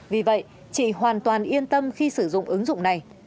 vì vậy chị hoàn toàn yên tâm khi sử dụng ứng dụng này